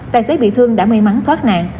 tài xế bị thương đã may mắn thoát nạn